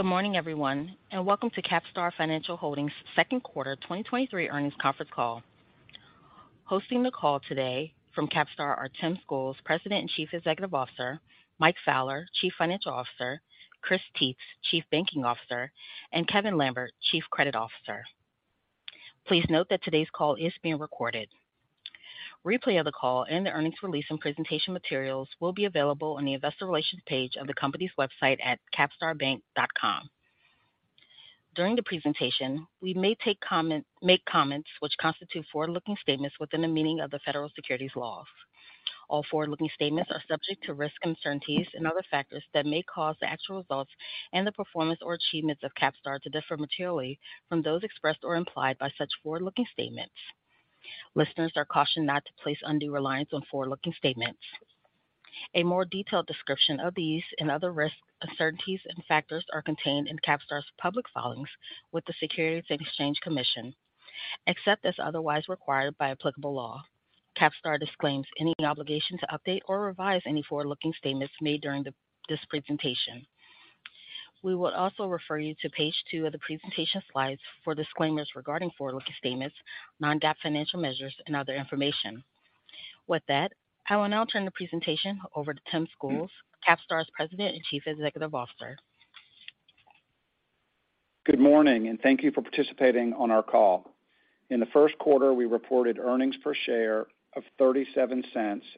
Good morning, everyone, and welcome to CapStar Financial Holdings' second quarter 2023 earnings conference call. Hosting the call today from CapStar are Tim Schools, President and Chief Executive Officer; Mike Fowler, Chief Financial Officer; Chris Tietz, Chief Banking Officer; and Kevin Lambert, Chief Credit Officer. Please note that today's call is being recorded. Replay of the call and the earnings release and presentation materials will be available on the investor relations page of the company's website at capstarbank.com. During the presentation, we may make comments which constitute forward-looking statements within the meaning of the federal securities laws. All forward-looking statements are subject to risks, uncertainties, and other factors that may cause the actual results and the performance or achievements of CapStar to differ materially from those expressed or implied by such forward-looking statements. Listeners are cautioned not to place undue reliance on forward-looking statements. A more detailed description of these and other risks, uncertainties, and factors are contained in CapStar's public filings with the Securities and Exchange Commission. Except as otherwise required by applicable law, CapStar disclaims any obligation to update or revise any forward-looking statements made during this presentation. We will also refer you to page two of the presentation slides for disclaimers regarding forward-looking statements, non-GAAP financial measures, and other information. With that, I will now turn the presentation over to Tim Schools, CapStar's President and Chief Executive Officer. Good morning, thank you for participating on our call. In the first quarter, we reported earnings per share of $0.37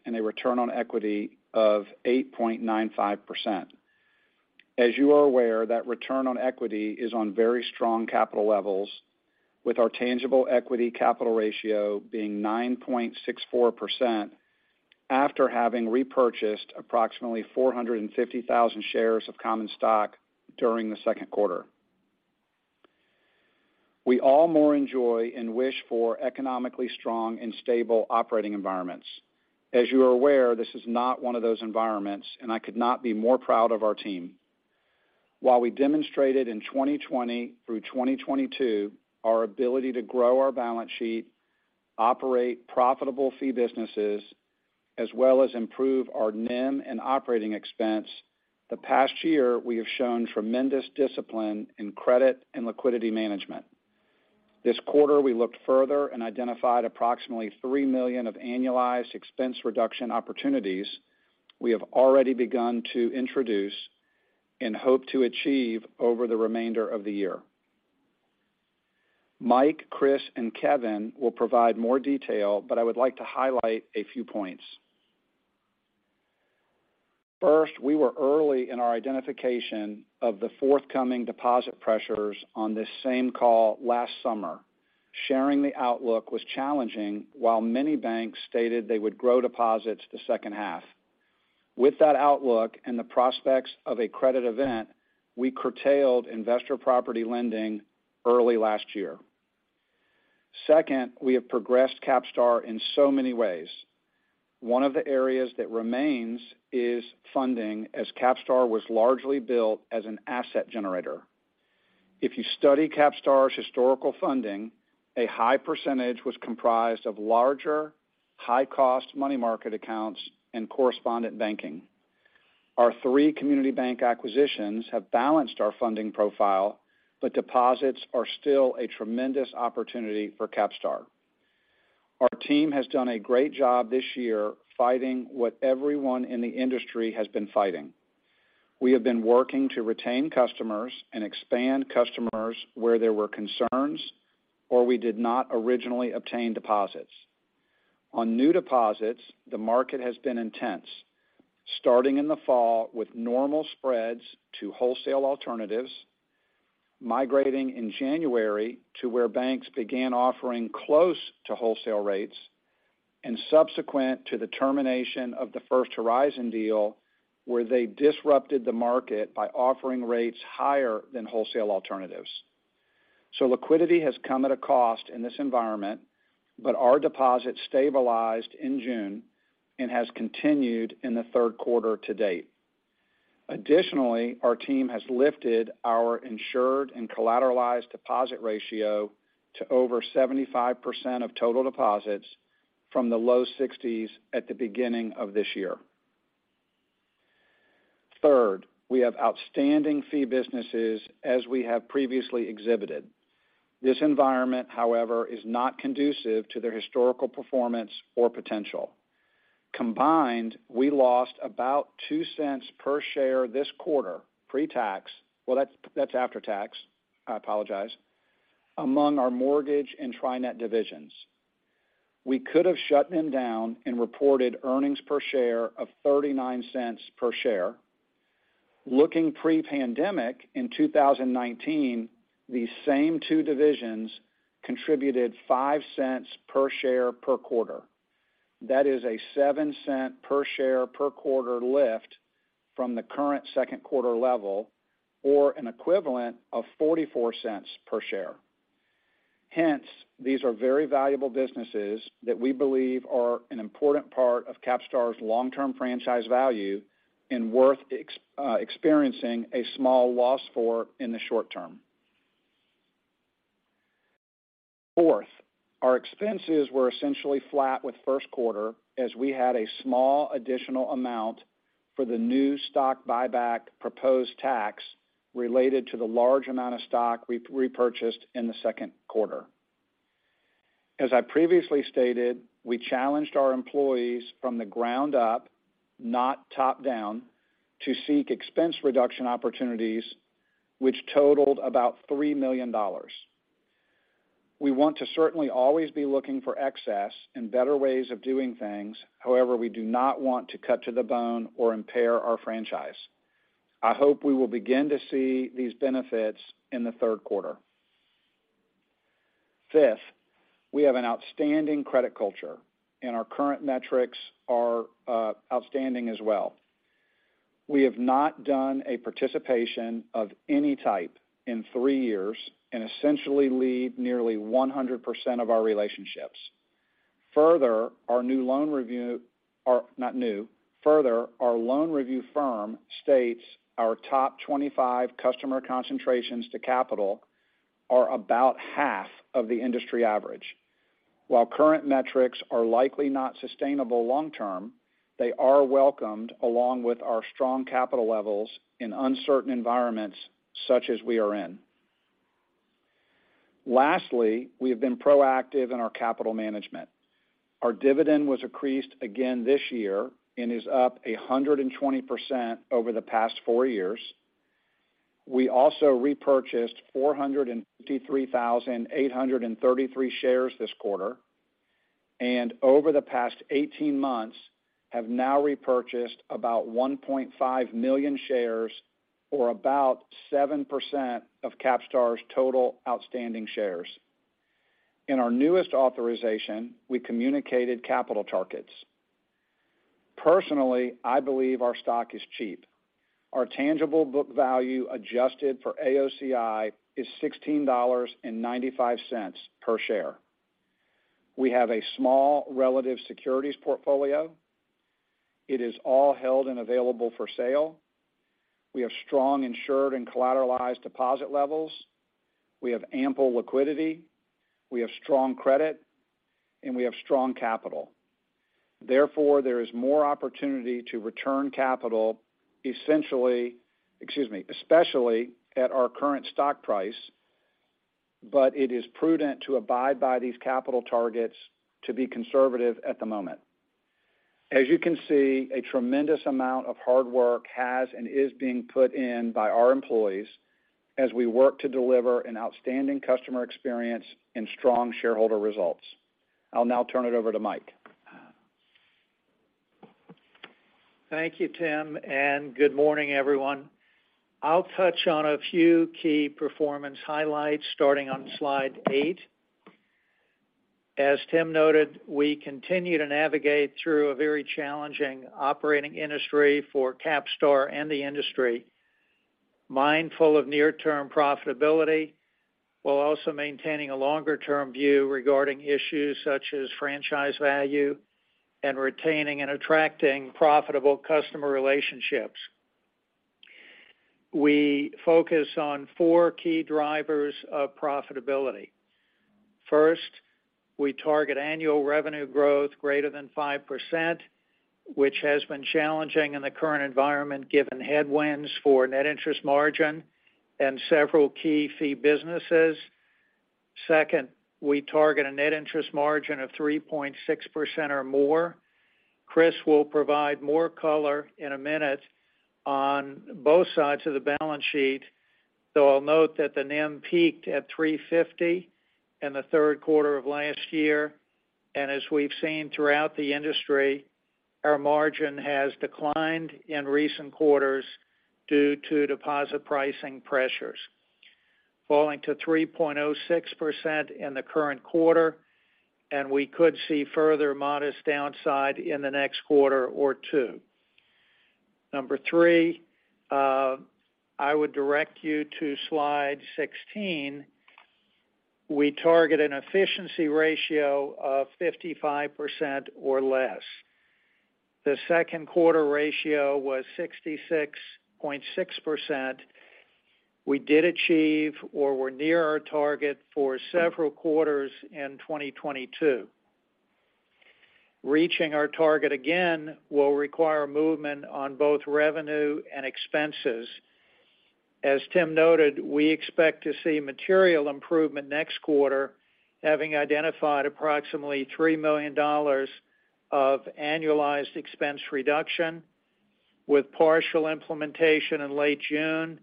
and a return on equity of 8.95%. As you are aware, that return on equity is on very strong capital levels, with our tangible equity capital ratio being 9.64% after having repurchased approximately 450,000 shares of common stock during the second quarter. We all more enjoy and wish for economically strong and stable operating environments. As you are aware, this is not one of those environments, and I could not be more proud of our team. While we demonstrated in 2020 through 2022, our ability to grow our balance sheet, operate profitable fee businesses, as well as improve our NIM and operating expense, the past year, we have shown tremendous discipline in credit and liquidity management. This quarter, we looked further and identified approximately $3 million of annualized expense reduction opportunities we have already begun to introduce and hope to achieve over the remainder of the year. Mike Fowler, Chris Tietz, and Kevin Lambert will provide more detail, but I would like to highlight a few points. First, we were early in our identification of the forthcoming deposit pressures on this same call last summer. Sharing the outlook was challenging, while many banks stated they would grow deposits the second half. With that outlook and the prospects of a credit event, we curtailed investor property lending early last year. Second, we have progressed CapStar in so many ways. One of the areas that remains is funding, as CapStar was largely built as an asset generator. If you study CapStar's historical funding, a high percentage was comprised of larger, high-cost money market accounts and correspondent banking. Our three community bank acquisitions have balanced our funding profile, deposits are still a tremendous opportunity for CapStar. Our team has done a great job this year fighting what everyone in the industry has been fighting. We have been working to retain customers and expand customers where there were concerns or we did not originally obtain deposits. On new deposits, the market has been intense, starting in the fall with normal spreads to wholesale alternatives, migrating in January to where banks began offering close to wholesale rates and subsequent to the termination of the First Horizon deal, where they disrupted the market by offering rates higher than wholesale alternatives. Liquidity has come at a cost in this environment, our deposits stabilized in June and has continued in the third quarter to date. Additionally, our team has lifted our insured and collateralized deposit ratio to over 75% of total deposits from the low 60s at the beginning of this year. Third, we have outstanding fee businesses as we have previously exhibited. This environment, however, is not conducive to their historical performance or potential. Combined, we lost about $0.02 per share this quarter, pre-tax. That's after tax, I apologize, among our mortgage and Tri-Net divisions. We could have shut them down and reported earnings per share of $0.39 per share. Looking pre-pandemic, in 2019, these same two divisions contributed $0.05 per share per quarter. That is a $0.07 per share per quarter lift from the current second quarter level, or an equivalent of $0.44 per share. These are very valuable businesses that we believe are an important part of CapStar's long-term franchise value and worth experiencing a small loss for in the short term. Fourth, our expenses were essentially flat with first quarter as we had a small additional amount for the new stock buyback proposed tax related to the large amount of stock we repurchased in the second quarter. As I previously stated, we challenged our employees from the ground up, not top-down, to seek expense reduction opportunities, which totaled about $3 million. We want to certainly always be looking for excess and better ways of doing things. However, we do not want to cut to the bone or impair our franchise. I hope we will begin to see these benefits in the third quarter. Fifth, we have an outstanding credit culture, and our current metrics are outstanding as well. We have not done a participation of any type in three years and essentially lead nearly 100% of our relationships. Further, our loan review firm states our top 25 customer concentrations to capital are about half of the industry average. While current metrics are likely not sustainable long term, they are welcomed along with our strong capital levels in uncertain environments such as we are in. Lastly, we have been proactive in our capital management. Our dividend was increased again this year and is up 120% over the past four years. We also repurchased 453,833 shares this quarter, and over the past 18 months, have now repurchased about 1.5 million shares or about 7% of CapStar's total outstanding shares. In our newest authorization, we communicated capital targets. Personally, I believe our stock is cheap. Our tangible book value, adjusted for AOCI, is $16.95 per share. We have a small relative securities portfolio. It is all held and available for sale. We have strong insured and collateralized deposit levels. We have ample liquidity, we have strong credit, and we have strong capital. There is more opportunity to return capital, essentially, excuse me, especially at our current stock price, but it is prudent to abide by these capital targets to be conservative at the moment. As you can see, a tremendous amount of hard work has and is being put in by our employees as we work to deliver an outstanding customer experience and strong shareholder results. I'll now turn it over to Mike. Thank you, Tim, good morning, everyone. I'll touch on a few key performance highlights, starting on slide eight. As Tim noted, we continue to navigate through a very challenging operating industry for CapStar and the industry, mindful of near-term profitability, while also maintaining a longer-term view regarding issues such as franchise value and retaining and attracting profitable customer relationships. We focus on four key drivers of profitability. First, we target annual revenue growth greater than 5%, which has been challenging in the current environment, given headwinds for net interest margin and several key fee businesses. Second, we target a net interest margin of 3.6% or more. Chris will provide more color in a minute on both sides of the balance sheet. I'll note that the NIM peaked at 3.50% in the third quarter of last year. As we've seen throughout the industry, our margin has declined in recent quarters due to deposit pricing pressures, falling to 3.06% in the current quarter. We could see further modest downside in the next quarter or two. Number three, I would direct you to slide 16. We target an efficiency ratio of 55% or less. The second quarter ratio was 66.6%. We did achieve or were near our target for several quarters in 2022. Reaching our target again will require movement on both revenue and expenses. As Tim noted, we expect to see material improvement next quarter, having identified approximately $3 million of annualized expense reduction, with partial implementation in late June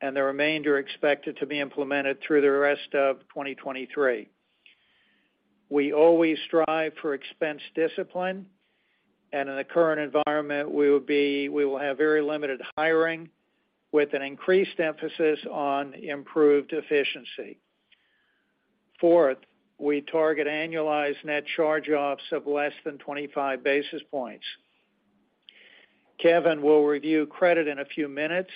and the remainder expected to be implemented through the rest of 2023. We always strive for expense discipline, and in the current environment, we will have very limited hiring with an increased emphasis on improved efficiency. Fourth, we target annualized net charge-offs of less than 25 basis points. Kevin will review credit in a few minutes,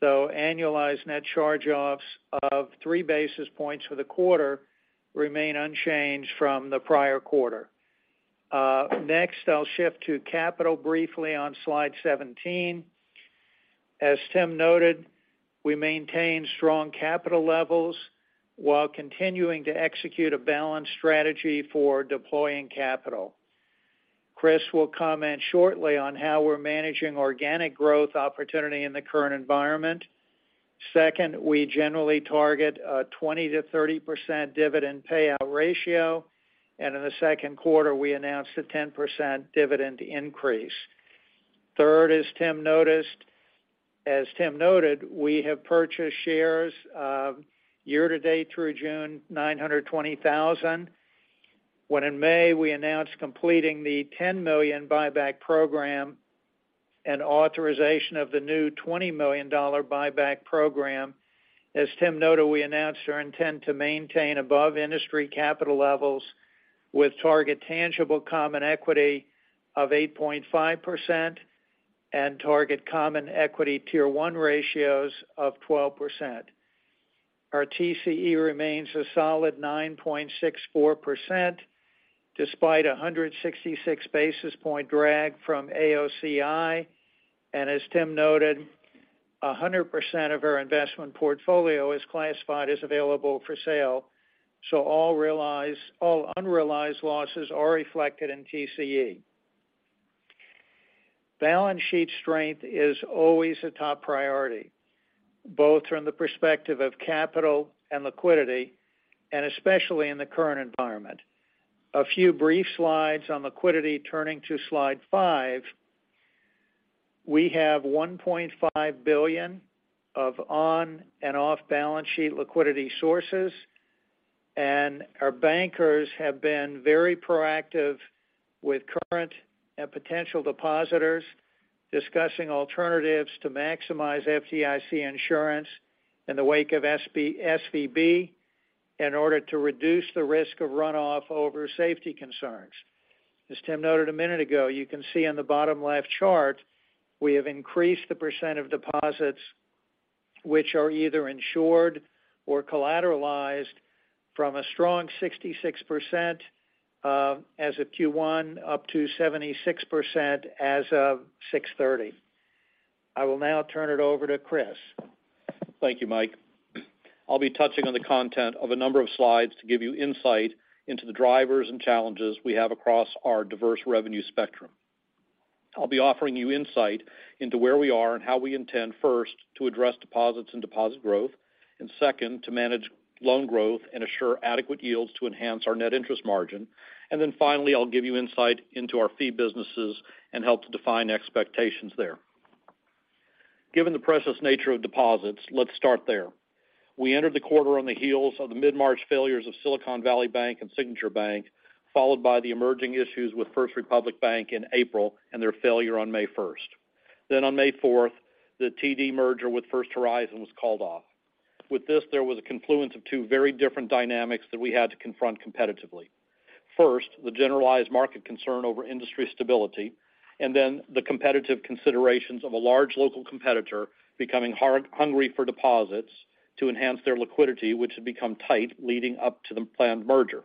though annualized net charge-offs of three basis points for the quarter remain unchanged from the prior quarter. Next, I'll shift to capital briefly on slide 17....As Tim noted, we maintain strong capital levels while continuing to execute a balanced strategy for deploying capital. Chris will comment shortly on how we're managing organic growth opportunity in the current environment. Second, we generally target a 20%-30% dividend payout ratio. In the second quarter, we announced a 10% dividend increase. Third, as Tim noted, we have purchased shares year-to-date through June, 920,000, when in May, we announced completing the $10 million buyback program and authorization of the new $20 million buyback program. As Tim noted, we announced our intent to maintain above-industry capital levels with target tangible common equity of 8.5% and target common equity Tier 1 ratios of 12%. Our TCE remains a solid 9.64%, despite a 166 basis point drag from AOCI. As Tim noted, 100% of our investment portfolio is classified as available for sale, all unrealized losses are reflected in TCE. Balance sheet strength is always a top priority, both from the perspective of capital and liquidity, especially in the current environment. A few brief slides on liquidity, turning to Slide five. We have $1.5 billion of on and off-balance sheet liquidity sources, our bankers have been very proactive with current and potential depositors, discussing alternatives to maximize FDIC insurance in the wake of SVB in order to reduce the risk of runoff over safety concerns. As Tim noted a minute ago, you can see on the bottom left chart, we have increased the percent of deposits which are either insured or collateralized from a strong 66% as of Q1, up to 76% as of 6/30. I will now turn it over to Chris. Thank you, Mike. I'll be touching on the content of a number of slides to give you insight into the drivers and challenges we have across our diverse revenue spectrum. I'll be offering you insight into where we are and how we intend, first, to address deposits and deposit growth, and second, to manage loan growth and assure adequate yields to enhance our net interest margin. And then finally, I'll give you insight into our fee businesses and help to define expectations there. Given the precious nature of deposits, let's start there. We entered the quarter on the heels of the mid-March failures of Silicon Valley Bank and Signature Bank, followed by the emerging issues with First Republic Bank in April and their failure on May first. On May fourth, the TD merger with First Horizon was called off. With this, there was a confluence of two very different dynamics that we had to confront competitively. First, the generalized market concern over industry stability, and then the competitive considerations of a large local competitor becoming hungry for deposits to enhance their liquidity, which had become tight leading up to the planned merger.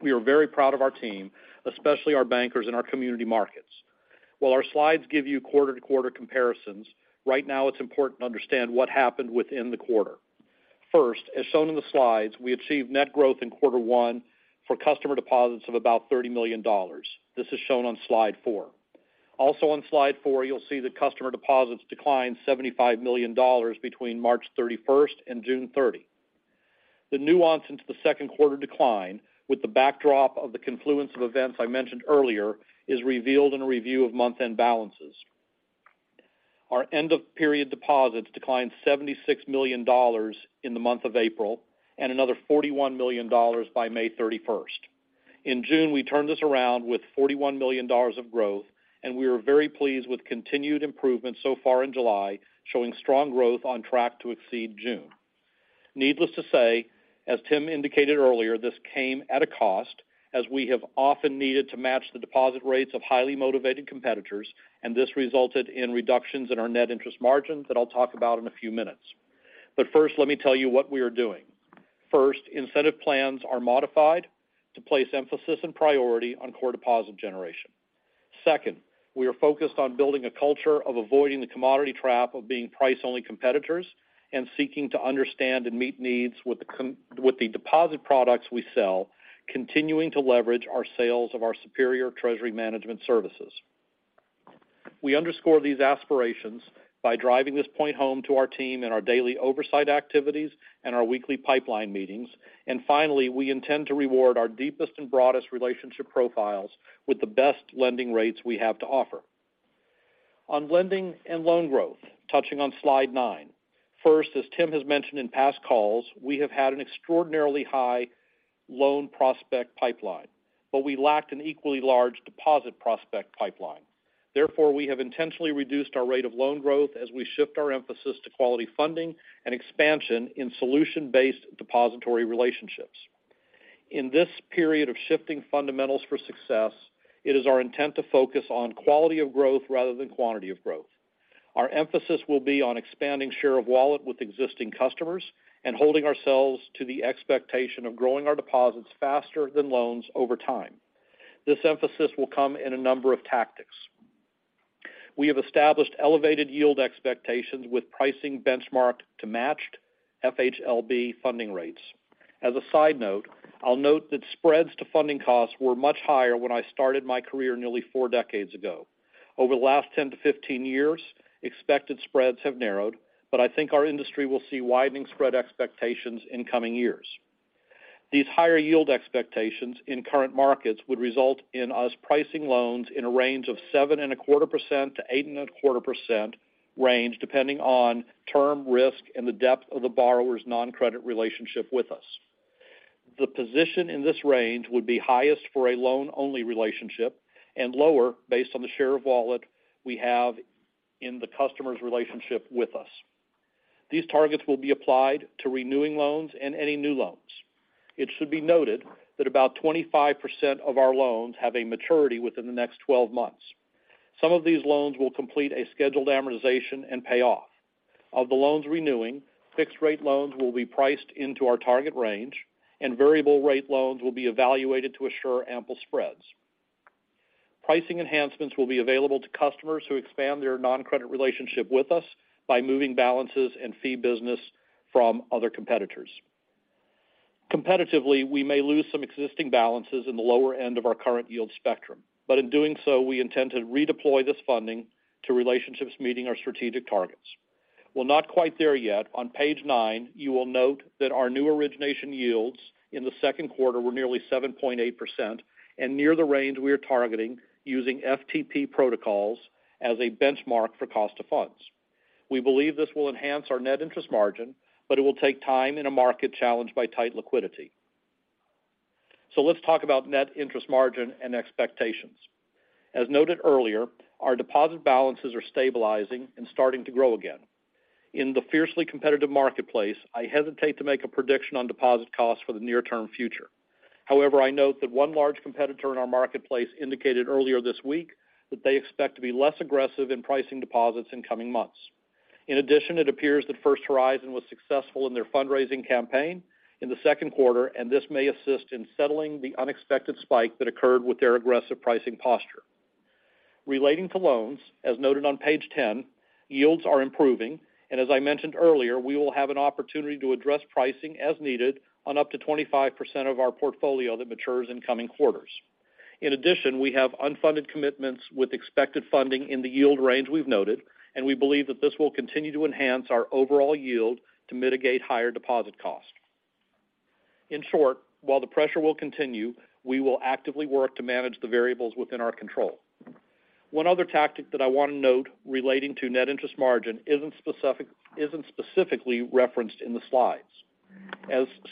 We are very proud of our team, especially our bankers in our community markets. While our slides give you quarter-to-quarter comparisons, right now it's important to understand what happened within the quarter. First, as shown in the slides, we achieved net growth in quarter one for customer deposits of about $30 million. This is shown on slide four. Also on slide four, you'll see that customer deposits declined $75 million between March 31st and June 30. The nuance into the second quarter decline, with the backdrop of the confluence of events I mentioned earlier, is revealed in a review of month-end balances. Our end-of-period deposits declined $76 million in the month of April and another $41 million by May 31st. In June, we turned this around with $41 million of growth, and we are very pleased with continued improvement so far in July, showing strong growth on track to exceed June. Needless to say, as Tim indicated earlier, this came at a cost, as we have often needed to match the deposit rates of highly motivated competitors, and this resulted in reductions in our net interest margins that I'll talk about in a few minutes. But first, let me tell you what we are doing. First, incentive plans are modified to place emphasis and priority on core deposit generation. Second, we are focused on building a culture of avoiding the commodity trap of being price-only competitors and seeking to understand and meet needs with the deposit products we sell, continuing to leverage our sales of our superior treasury management services. We underscore these aspirations by driving this point home to our team in our daily oversight activities and our weekly pipeline meetings. Finally, we intend to reward our deepest and broadest relationship profiles with the best lending rates we have to offer. On lending and loan growth, touching on Slide nine. First, as Tim has mentioned in past calls, we have had an extraordinarily high loan prospect pipeline, but we lacked an equally large deposit prospect pipeline. Therefore, we have intentionally reduced our rate of loan growth as we shift our emphasis to quality funding and expansion in solution-based depository relationships. In this period of shifting fundamentals for success, it is our intent to focus on quality of growth rather than quantity of growth. Our emphasis will be on expanding share of wallet with existing customers and holding ourselves to the expectation of growing our deposits faster than loans over time. This emphasis will come in a number of tactics. We have established elevated yield expectations with pricing benchmarked to matched FHLB funding rates. As a side note, I'll note that spreads to funding costs were much higher when I started my career nearly four decades ago. Over the last 10-15 years, expected spreads have narrowed. I think our industry will see widening spread expectations in coming years. These higher yield expectations in current markets would result in us pricing loans in a range of 7.25%-8.25% range, depending on term risk and the depth of the borrower's non-credit relationship with us. The position in this range would be highest for a loan-only relationship and lower based on the share of wallet we have in the customer's relationship with us. These targets will be applied to renewing loans and any new loans. It should be noted that about 25% of our loans have a maturity within the next 12 months. Some of these loans will complete a scheduled amortization and pay off. Of the loans renewing, fixed-rate loans will be priced into our target range, and variable-rate loans will be evaluated to assure ample spreads. Pricing enhancements will be available to customers who expand their non-credit relationship with us by moving balances and fee business from other competitors. Competitively, we may lose some existing balances in the lower end of our current yield spectrum, but in doing so, we intend to redeploy this funding to relationships meeting our strategic targets. We're not quite there yet. On page nine, you will note that our new origination yields in the second quarter were nearly 7.8% and near the range we are targeting using FTP protocols as a benchmark for cost of funds. We believe this will enhance our net interest margin. It will take time in a market challenged by tight liquidity. Let's talk about net interest margin and expectations. As noted earlier, our deposit balances are stabilizing and starting to grow again. In the fiercely competitive marketplace, I hesitate to make a prediction on deposit costs for the near-term future. However, I note that one large competitor in our marketplace indicated earlier this week that they expect to be less aggressive in pricing deposits in coming months. In addition, it appears that First Horizon was successful in their fundraising campaign in the second quarter, and this may assist in settling the unexpected spike that occurred with their aggressive pricing posture. Relating to loans, as noted on page 10, yields are improving, and as I mentioned earlier, we will have an opportunity to address pricing as needed on up to 25% of our portfolio that matures in coming quarters. In addition, we have unfunded commitments with expected funding in the yield range we've noted, and we believe that this will continue to enhance our overall yield to mitigate higher deposit costs. In short, while the pressure will continue, we will actively work to manage the variables within our control. One other tactic that I want to note relating to net interest margin isn't specifically referenced in the slides.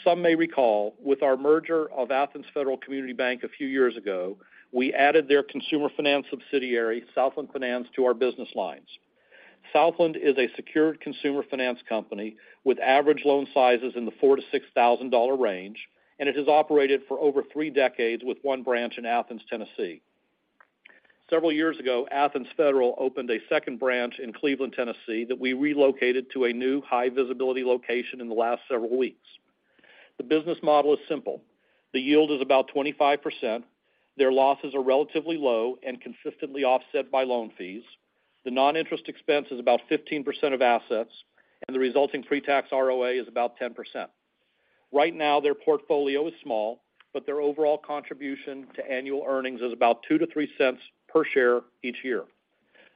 Some may recall, with our merger of Athens Federal Community Bank a few years ago, we added their consumer finance subsidiary, Southland Finance, to our business lines. Southland is a secured consumer finance company with average loan sizes in the $4,000-$6,000 range, it has operated for over three decades with one branch in Athens, Tennessee. Several years ago, Athens Federal opened a second branch in Cleveland, Tennessee, that we relocated to a new high-visibility location in the last several weeks. The business model is simple: the yield is about 25%, their losses are relatively low and consistently offset by loan fees. The non-interest expense is about 15% of assets, and the resulting pre-tax ROA is about 10%. Right now, their portfolio is small, but their overall contribution to annual earnings is about $0.02-$0.03 per share each year.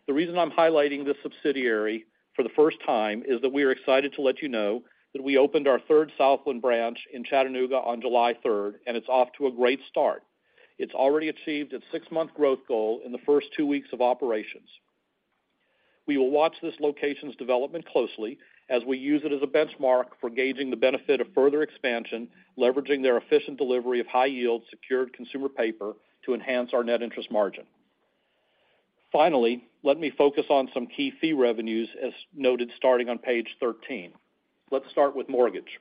The reason I'm highlighting this subsidiary for the first time is that we are excited to let you know that we opened our third Southland branch in Chattanooga on July 3rd, and it's off to a great start. It's already achieved its six-month growth goal in the first two weeks of operations. We will watch this location's development closely as we use it as a benchmark for gauging the benefit of further expansion, leveraging their efficient delivery of high-yield, secured consumer paper to enhance our net interest margin. Finally, let me focus on some key fee revenues, as noted, starting on page 13. Let's start with mortgage.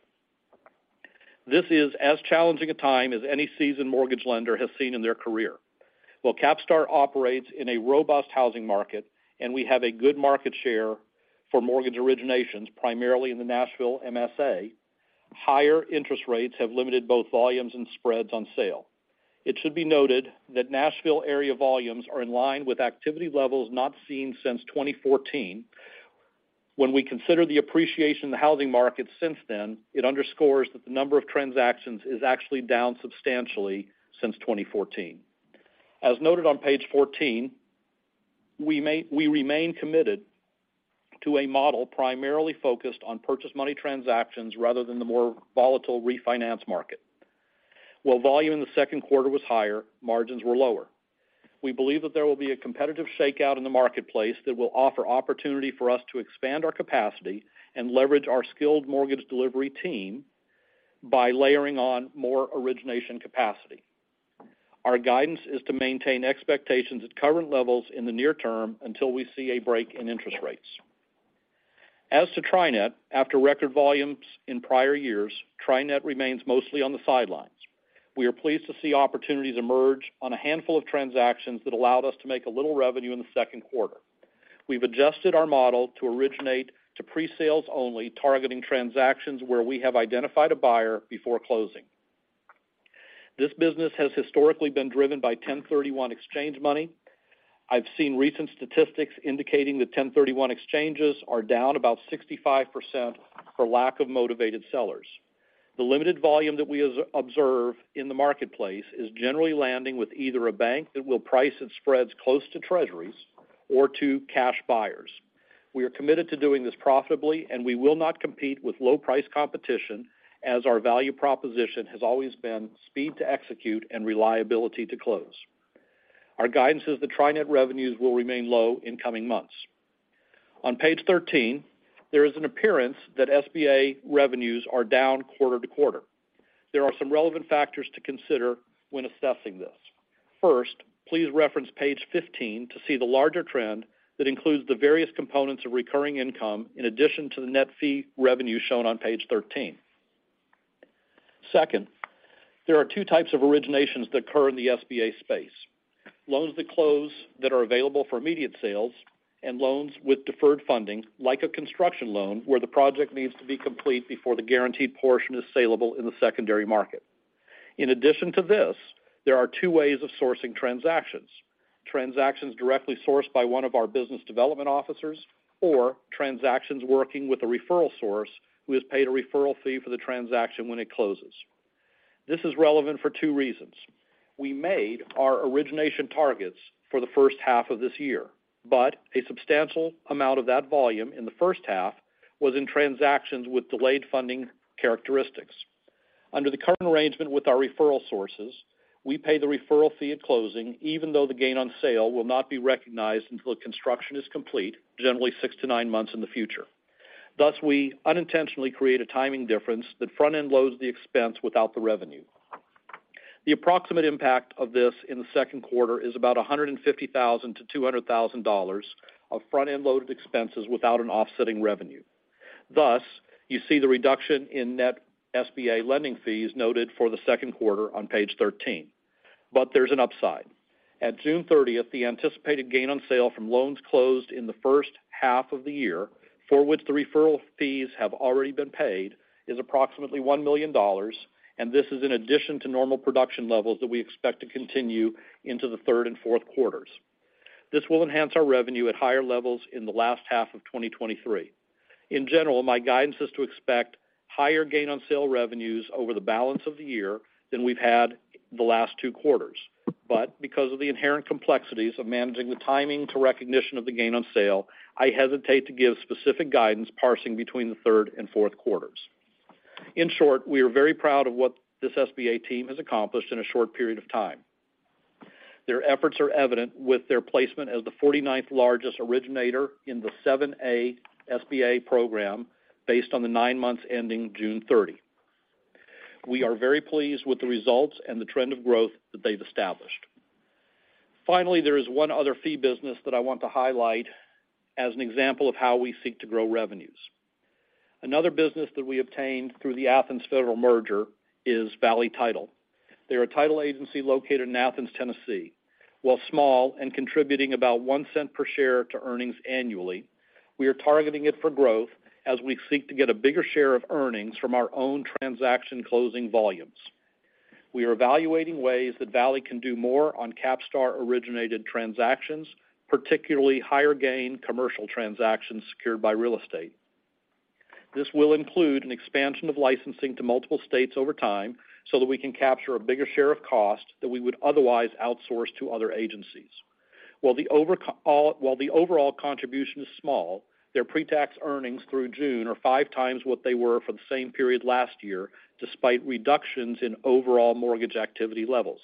This is as challenging a time as any seasoned mortgage lender has seen in their career. While CapStar operates in a robust housing market and we have a good market share for mortgage originations, primarily in the Nashville MSA, higher interest rates have limited both volumes and spreads on sale. It should be noted that Nashville area volumes are in line with activity levels not seen since 2014. When we consider the appreciation in the housing market since then, it underscores that the number of transactions is actually down substantially since 2014. As noted on page 14, we remain committed to a model primarily focused on purchase money transactions rather than the more volatile refinance market. While volume in the second quarter was higher, margins were lower. We believe that there will be a competitive shakeout in the marketplace that will offer opportunity for us to expand our capacity and leverage our skilled mortgage delivery team by layering on more origination capacity. Our guidance is to maintain expectations at current levels in the near term until we see a break in interest rates. As to Tri-Net, after record volumes in prior years, Tri-Net remains mostly on the sidelines. We are pleased to see opportunities emerge on a handful of transactions that allowed us to make a little revenue in the second quarter. We've adjusted our model to originate to pre-sales only, targeting transactions where we have identified a buyer before closing. This business has historically been driven by 1031 exchange money. I've seen recent statistics indicating that 1031 exchanges are down about 65% for lack of motivated sellers. The limited volume that we observe in the marketplace is generally landing with either a bank that will price its spreads close to treasuries or to cash buyers. We are committed to doing this profitably, and we will not compete with low-price competition, as our value proposition has always been speed to execute and reliability to close. Our guidance is that Tri-Net revenues will remain low in coming months. On page 13, there is an appearance that SBA revenues are down quarter to quarter. There are some relevant factors to consider when assessing this. First, please reference page 15 to see the larger trend that includes the various components of recurring income in addition to the net fee revenue shown on page 13. There are two types of originations that occur in the SBA space: loans that close that are available for immediate sales, and loans with deferred funding, like a construction loan, where the project needs to be complete before the guaranteed portion is saleable in the secondary market. In addition to this, there are two ways of sourcing transactions. Transactions directly sourced by one of our business development officers, or transactions working with a referral source who has paid a referral fee for the transaction when it closes. This is relevant for two reasons. We made our origination targets for the first half of this year, a substantial amount of that volume in the first half was in transactions with delayed funding characteristics. Under the current arrangement with our referral sources, we pay the referral fee at closing, even though the gain on sale will not be recognized until the construction is complete, generally six-nine months in the future. Thus, we unintentionally create a timing difference that front-end loads the expense without the revenue. The approximate impact of this in the second quarter is about $150,000-$200,000 of front-end loaded expenses without an offsetting revenue. Thus, you see the reduction in net SBA lending fees noted for the second quarter on page 13. There's an upside. At June 30th, the anticipated gain on sale from loans closed in the first half of the year, for which the referral fees have already been paid, is approximately $1 million, and this is in addition to normal production levels that we expect to continue into the 3rd and 4th quarters. This will enhance our revenue at higher levels in the last half of 2023. In general, my guidance is to expect higher gain on sale revenues over the balance of the year than we've had the last two quarters. Because of the inherent complexities of managing the timing to recognition of the gain on sale, I hesitate to give specific guidance parsing between the 3rd and 4th quarters. In short, we are very proud of what this SBA team has accomplished in a short period of time. Their efforts are evident with their placement as the 49th largest originator in the 7A SBA program, based on the nine months ending June 30. We are very pleased with the results and the trend of growth that they've established. Finally, there is one other fee business that I want to highlight as an example of how we seek to grow revenues. Another business that we obtained through the Athens Federal merger is Valley Title. They're a title agency located in Athens, Tennessee. While small and contributing about $0.01 per share to earnings annually, we are targeting it for growth as we seek to get a bigger share of earnings from our own transaction closing volumes. We are evaluating ways that Valley can do more on CapStar-originated transactions, particularly higher gain commercial transactions secured by real estate. This will include an expansion of licensing to multiple states over time, so that we can capture a bigger share of cost that we would otherwise outsource to other agencies. While the overall contribution is small, their pre-tax earnings through June are five times what they were for the same period last year, despite reductions in overall mortgage activity levels.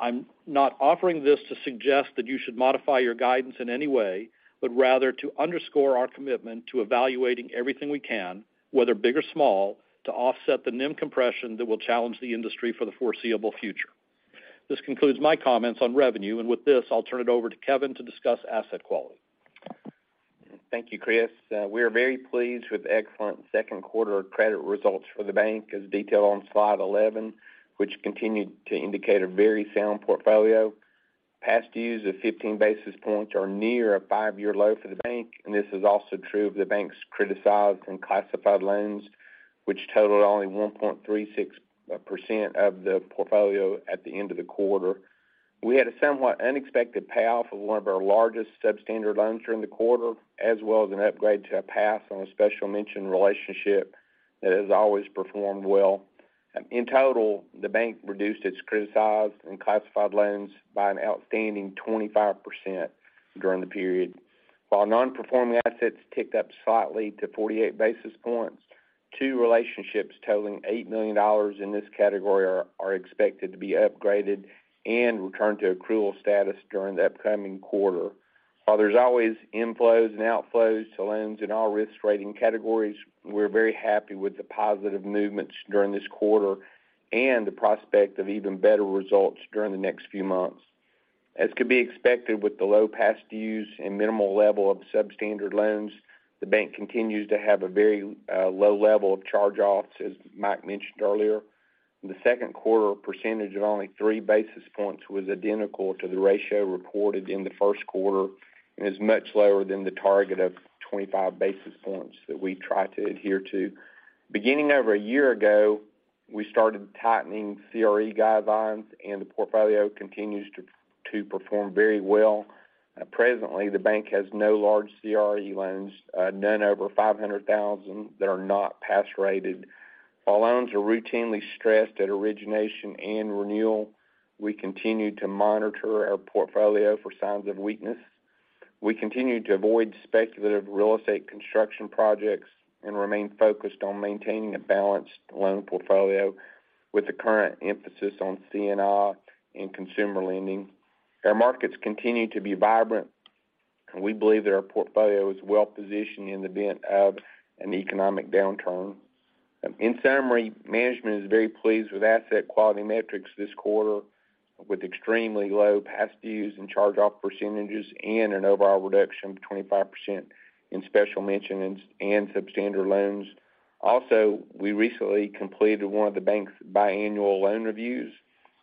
I'm not offering this to suggest that you should modify your guidance in any way, but rather to underscore our commitment to evaluating everything we can, whether big or small, to offset the NIM compression that will challenge the industry for the foreseeable future. This concludes my comments on revenue. With this, I'll turn it over to Kevin to discuss asset quality. Thank you, Chris. We are very pleased with the excellent second quarter credit results for the bank, as detailed on slide 11, which continued to indicate a very sound portfolio. Past dues of 15 basis points are near a five-year low for the bank, and this is also true of the bank's criticized and classified loans, which totaled only 1.36% of the portfolio at the end of the quarter. We had a somewhat unexpected payoff of one of our largest substandard loans during the quarter, as well as an upgrade to a pass on a special mention relationship that has always performed well. In total, the bank reduced its criticized and classified loans by an outstanding 25% during the period. While non-performing assets ticked up slightly to 48 basis points, two relationships totaling $8 million in this category are expected to be upgraded and return to accrual status during the upcoming quarter. While there's always inflows and outflows to loans in all risk rating categories, we're very happy with the positive movements during this quarter and the prospect of even better results during the next few months. As could be expected, with the low past dues and minimal level of substandard loans, the bank continues to have a very low level of charge-offs, as Mike mentioned earlier. The second quarter percentage of only three basis points was identical to the ratio reported in the first quarter and is much lower than the target of 25 basis points that we try to adhere to. Beginning over a year ago, we started tightening CRE guidelines, and the portfolio continues to perform very well. Presently, the bank has no large CRE loans, none over $500,000 that are not pass rated. All loans are routinely stressed at origination and renewal. We continue to monitor our portfolio for signs of weakness. We continue to avoid speculative real estate construction projects and remain focused on maintaining a balanced loan portfolio with the current emphasis on C&I and consumer lending. Our markets continue to be vibrant, and we believe that our portfolio is well-positioned in the event of an economic downturn. In summary, management is very pleased with asset quality metrics this quarter, with extremely low past dues and charge-off percentages, and an overall reduction of 25% in special mention and substandard loans. We recently completed one of the bank's biannual loan reviews,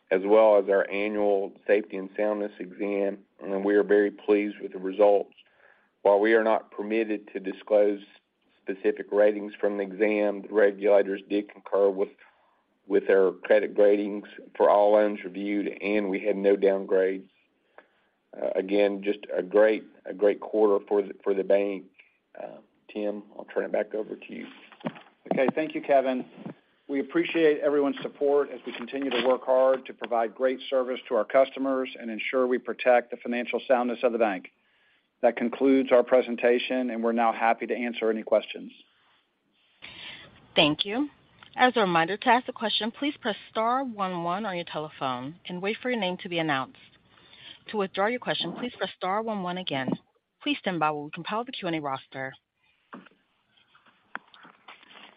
as well as our annual safety and soundness exam. We are very pleased with the results. While we are not permitted to disclose specific ratings from the exam, the regulators did concur with our credit ratings for all loans reviewed. We had no downgrades. Again, just a great quarter for the bank. Tim, I'll turn it back over to you. Okay, thank you, Kevin. We appreciate everyone's support as we continue to work hard to provide great service to our customers and ensure we protect the financial soundness of the bank. That concludes our presentation. We're now happy to answer any questions. Thank you. As a reminder, to ask a question, please press star one one on your telephone and wait for your name to be announced. To withdraw your question, please press star one one again. Please stand by while we compile the Q&A roster.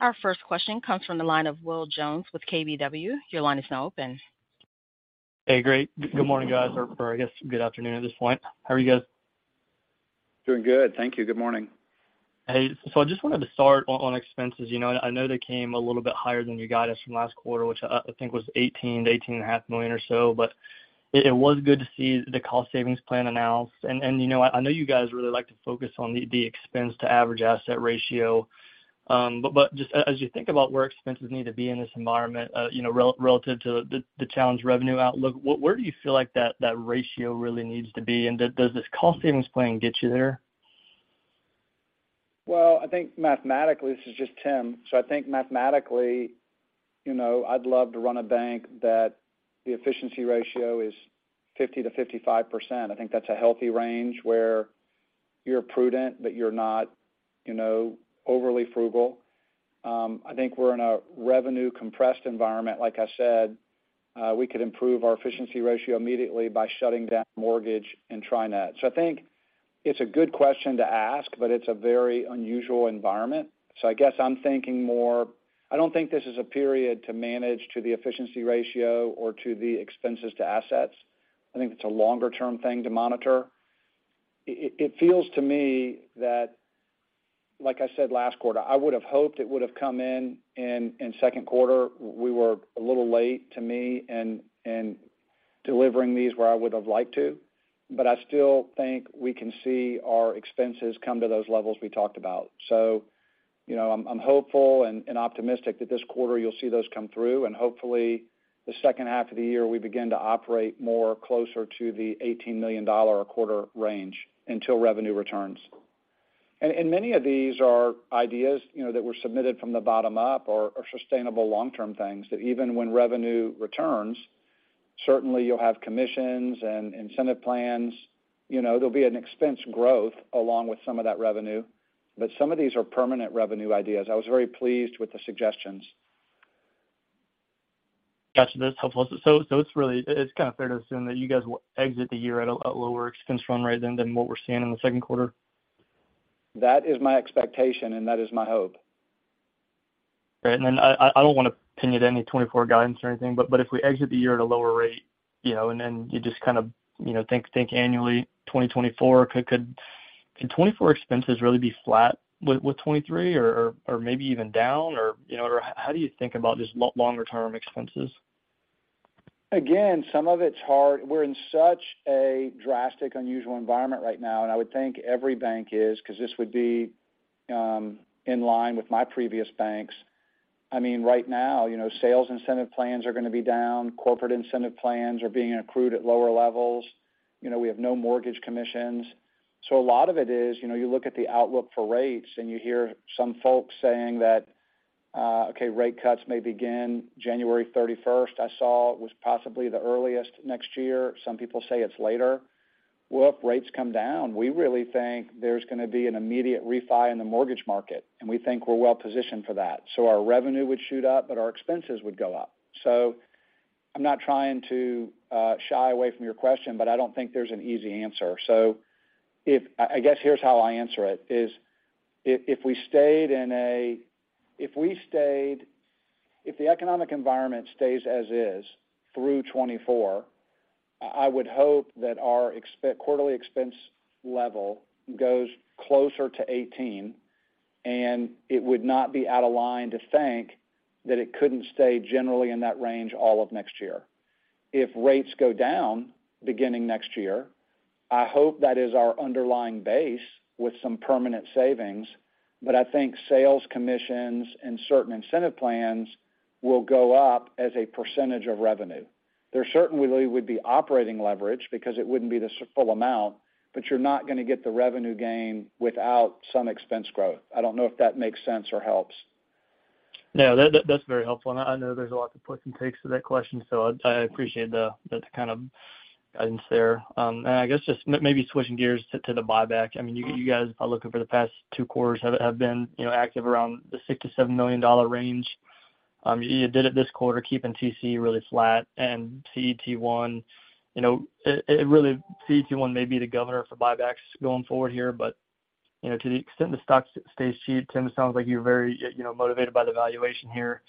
Our first question comes from the line of Will Jones with KBW. Your line is now open. Hey, great. Good morning, guys, or I guess good afternoon at this point. How are you guys? Doing good. Thank you. Good morning. I just wanted to start on expenses. You know, I know they came a little bit higher than you got us from last quarter, which I think was $18-$18.5 million or so, but it was good to see the cost savings plan announced. You know, I know you guys really like to focus on the expense-to-average-asset ratio. But just as you think about where expenses need to be in this environment, you know, relative to the challenged revenue outlook, where do you feel like that ratio really needs to be, and does this cost savings plan get you there? I think mathematically. This is just Tim. I think mathematically, you know, I'd love to run a bank that the efficiency ratio is 50%-55%. I think that's a healthy range where you're prudent, but you're not, you know, overly frugal. I think we're in a revenue-compressed environment. Like I said, we could improve our efficiency ratio immediately by shutting down mortgage and Tri-Net. I think it's a good question to ask, but it's a very unusual environment. I guess I'm thinking more, I don't think this is a period to manage to the efficiency ratio or to the expenses to assets. I think it's a longer-term thing to monitor. It feels to me that, like I said, last quarter, I would have hoped it would have come in second quarter. We were a little late, to me, in delivering these where I would have liked to, but I still think we can see our expenses come to those levels we talked about. You know, I'm hopeful and optimistic that this quarter you'll see those come through, and hopefully, the second half of the year, we begin to operate more closer to the $18 million a quarter range until revenue returns. Many of these are ideas, you know, that were submitted from the bottom up or sustainable long-term things, that even when revenue returns, certainly you'll have commissions and incentive plans. You know, there'll be an expense growth along with some of that revenue, but some of these are permanent revenue ideas. I was very pleased with the suggestions. Gotcha. That's helpful. It's kind of fair to assume that you guys will exit the year at a lower expense run rate than what we're seeing in the second quarter? That is my expectation, and that is my hope. Great. I don't want to pin you to any 2024 guidance or anything, but if we exit the year at a lower rate, you know, and then you just kind of, you know, think annually, 2024, could, can 2024 expenses really be flat with 2023 or maybe even down or, you know, or how do you think about just longer-term expenses? Again, some of it's hard. We're in such a drastic, unusual environment right now, I would think every bank is, because this would be in line with my previous banks. I mean, right now, you know, sales incentive plans are going to be down. Corporate incentive plans are being accrued at lower levels. You know, we have no mortgage commissions. A lot of it is, you know, you look at the outlook for rates, and you hear some folks saying that, okay, rate cuts may begin January 31st. I saw it was possibly the earliest next year. Some people say it's later. If rates come down, we really think there's going to be an immediate refi in the mortgage market, and we think we're well positioned for that. Our revenue would shoot up, but our expenses would go up. I'm not trying to shy away from your question, but I don't think there's an easy answer. I guess here's how I answer it, is if the economic environment stays as is through 2024... I would hope that our quarterly expense level goes closer to $18 million, and it would not be out of line to think that it couldn't stay generally in that range all of 2024. If rates go down, beginning 2024, I hope that is our underlying base with some permanent savings, but I think sales, commissions, and certain incentive plans will go up as a percentage of revenue. There certainly would be operating leverage because it wouldn't be the full amount, but you're not gonna get the revenue gain without some expense growth. I don't know if that makes sense or helps. Yeah, that's very helpful, and I know there's a lot of puts and takes to that question, so I appreciate the kind of guidance there. I guess just maybe switching gears to the buyback. I mean, you guys are looking for the past two quarters, have been, you know, active around the $6-$7 million range. You did it this quarter, keeping TCE really flat, and CET1, you know, it really, CET1 may be the governor for buybacks going forward here, but, you know, to the extent the stock stays cheap, Tim, it sounds like you're very, you know, motivated by the valuation here.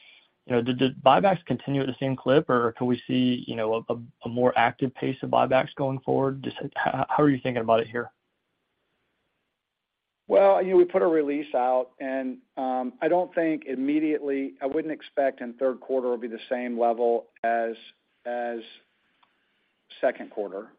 You know, did the buybacks continue at the same clip, or can we see, you know, a more active pace of buybacks going forward? Just how are you thinking about it here? You know, we put a release out, and I don't think immediately. I wouldn't expect in third quarter it'll be the same level as second quarter.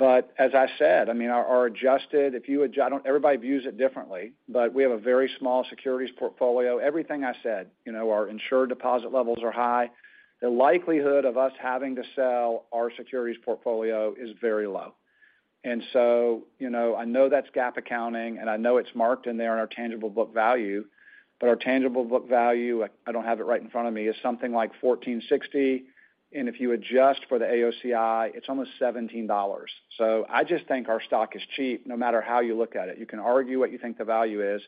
As I said, I mean, our adjusted, if you I don't Everybody views it differently, but we have a very small securities portfolio. Everything I said, you know, our insured deposit levels are high. The likelihood of us having to sell our securities portfolio is very low. You know, I know that's GAAP accounting, and I know it's marked in there in our tangible book value, but our tangible book value, I don't have it right in front of me, is something like $14.60, and if you adjust for the AOCI, it's almost $17. I just think our stock is cheap, no matter how you look at it. You can argue what you think the value is,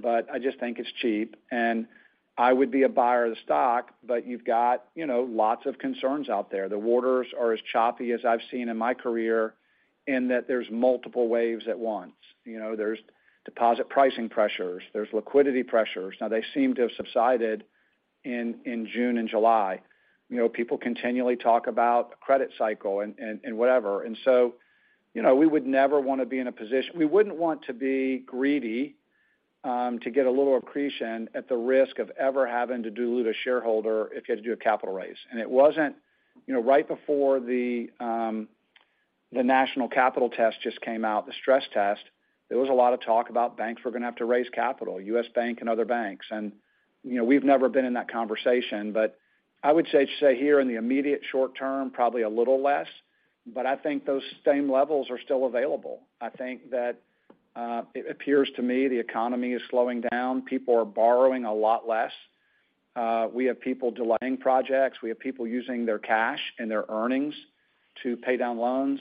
but I just think it's cheap, and I would be a buyer of the stock. You've got, you know, lots of concerns out there. The waters are as choppy as I've seen in my career, in that there's multiple waves at once. You know, there's deposit pricing pressures, there's liquidity pressures. Now, they seem to have subsided in June and July. You know, people continually talk about the credit cycle and whatever. So, you know, we would never want to be in a position we wouldn't want to be greedy to get a little accretion at the risk of ever having to dilute a shareholder if you had to do a capital raise. It wasn't... You know, right before the national capital test just came out, the stress test, there was a lot of talk about banks were gonna have to raise capital, U.S. Bank and other banks. You know, we've never been in that conversation, but I would say here in the immediate short term, probably a little less, but I think those same levels are still available. I think that it appears to me the economy is slowing down. People are borrowing a lot less. We have people delaying projects. We have people using their cash and their earnings to pay down loans.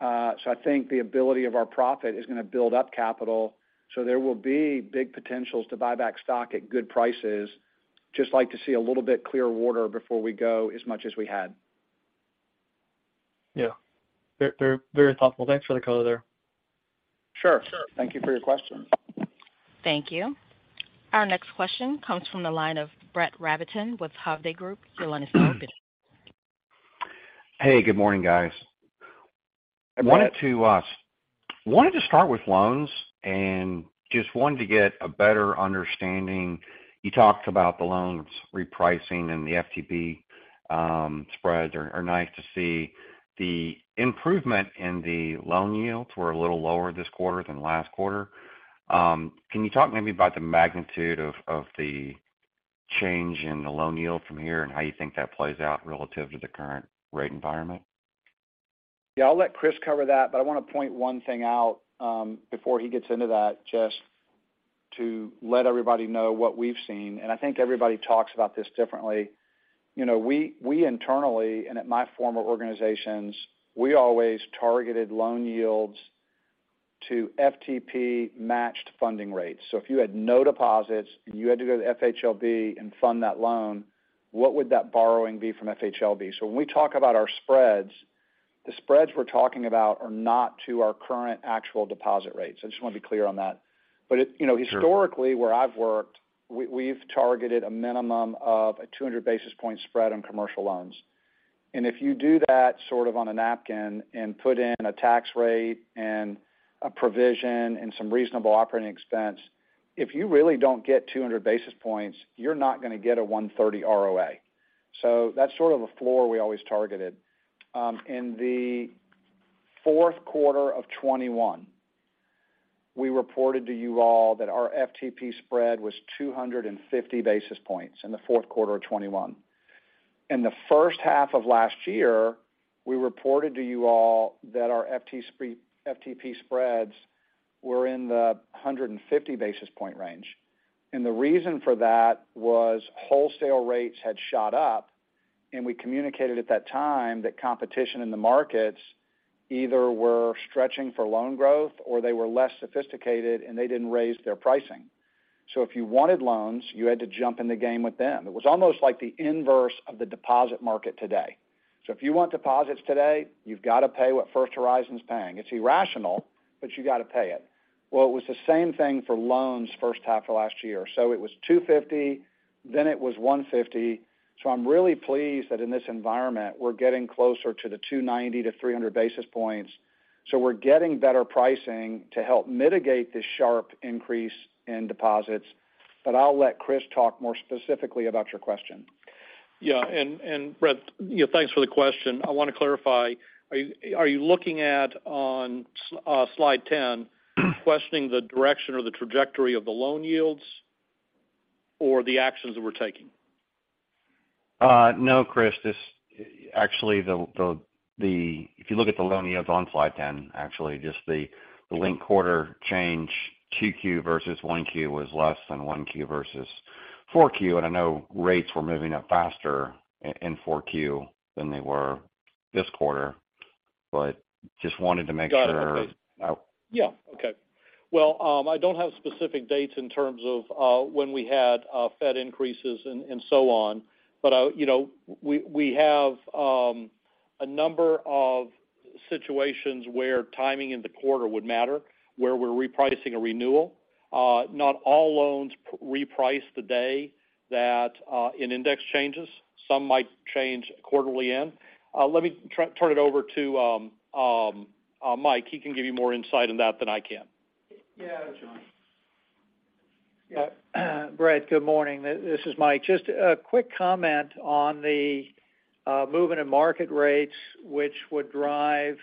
I think the ability of our profit is gonna build up capital, so there will be big potentials to buy back stock at good prices. Just like to see a little bit clearer water before we go, as much as we had. Yeah. Very, very thoughtful. Thanks for the color there. Sure. Sure. Thank you for your question. Thank you. Our next question comes from the line of Brett Rabatin with Hovde Group. You want to start with- Hey, good morning, guys. I wanted to start with loans and just wanted to get a better understanding. You talked about the loans repricing and the FTP spreads are nice to see. The improvement in the loan yields were a little lower this quarter than last quarter. Can you talk maybe about the magnitude of the change in the loan yield from here and how you think that plays out relative to the current rate environment? I'll let Chris cover that, but I want to point one thing out, before he gets into that, just to let everybody know what we've seen, and I think everybody talks about this differently. You know, we internally, and at my former organizations, we always targeted loan yields to FTP-matched funding rates. If you had no deposits, and you had to go to FHLB and fund that loan, what would that borrowing be from FHLB? When we talk about our spreads, the spreads we're talking about are not to our current actual deposit rates. I just want to be clear on that. It, you know. Sure... historically, where I've worked, we've targeted a minimum of a 200 basis point spread on commercial loans. If you do that sort of on a napkin and put in a tax rate and a provision and some reasonable operating expense, if you really don't get 200 basis points, you're not gonna get a 130 ROA. That's sort of the floor we always targeted. In the fourth quarter of 2021, we reported to you all that our FTP spread was 250 basis points, in the fourth quarter of 2021. In the first half of last year, we reported to you all that our FTP spreads were in the 150 basis point range. The reason for that was wholesale rates had shot up, we communicated at that time that competition in the markets either were stretching for loan growth or they were less sophisticated, they didn't raise their pricing. If you wanted loans, you had to jump in the game with them. It was almost like the inverse of the deposit market today. If you want deposits today, you've got to pay what First Horizon's paying. It's irrational, but you got to pay it. It was the same thing for loans first half of last year. It was 250, then it was 150. I'm really pleased that in this environment, we're getting closer to the 290-300 basis points. We're getting better pricing to help mitigate this sharp increase in deposits. I'll let Chris talk more specifically about your question. Yeah, Brett, you know, thanks for the question. I want to clarify, are you looking at on slide 10, questioning the direction or the trajectory of the loan yields or the actions that we're taking? No, Chris, actually, if you look at the loan yields on slide 10, actually, just the linked quarter change, 2Q versus 1Q was less than 1Q versus 4Q. I know rates were moving up faster in 4Q than they were this quarter. Just wanted to make sure. Got it. Yeah. Okay. Well, I don't have specific dates in terms of when we had Fed increases and so on, but I, you know, we have a number of situations where timing in the quarter would matter, where we're repricing a renewal. Not all loans reprice the day that an index changes. Some might change quarterly in. Let me turn it over to Mike. He can give you more insight on that than I can. Yeah, John. Brett, good morning. This is Mike. Just a quick comment on the movement in market rates, which would drive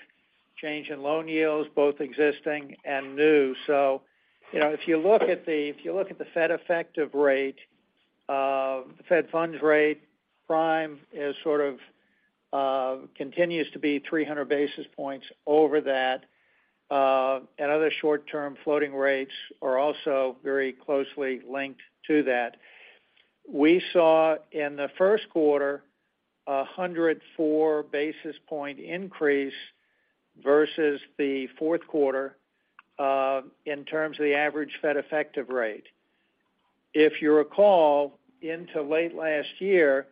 change in loan yields, both existing and new. You know, if you look at the Fed effective rate, the Fed funds rate, prime is sort of continues to be 300 basis points over that, and other short-term floating rates are also very closely linked to that. We saw in the first quarter, a 104 basis point increase versus the fourth quarter, in terms of the average Fed effective rate. If you recall, into late last year,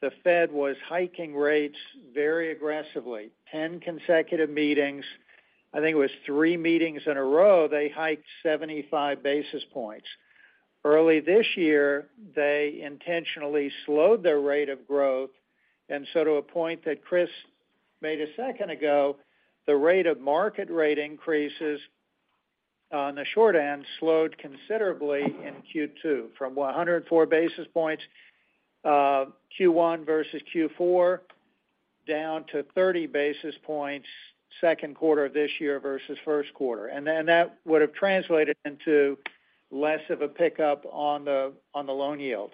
the Fed was hiking rates very aggressively, 10 consecutive meetings. I think it was three meetings in a row, they hiked 75 basis points. Early this year, they intentionally slowed their rate of growth. To a point that Chris made a second ago, the rate of market rate increases on the short end slowed considerably in Q2, from 104 basis points, Q1 versus Q4, down to 30 basis points, second quarter of this year versus first quarter. That would have translated into less of a pickup on the, on the loan yield.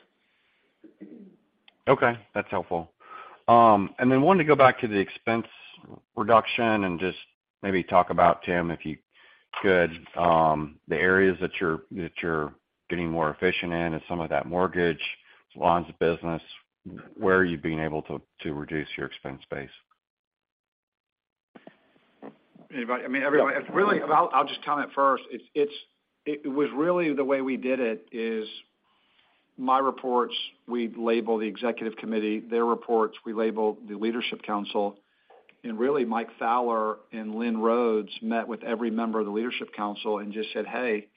Okay, that's helpful. Then wanted to go back to the expense reduction and just maybe talk about, Tim, if you could, the areas that you're getting more efficient in and some of that mortgage, loans of business, where are you being able to reduce your expense base? Anybody, I mean, everybody. Really, I'll just comment first. It was really the way we did it is my reports, we label the executive committee, their reports, we label the leadership council. Really, Mike Fowler and Lynn Rhodes met with every member of the leadership council and just said, "Hey,